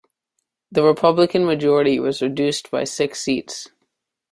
The Republican majority was reduced by six seats.